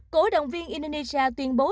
cổ động viên indonesia tuyên bố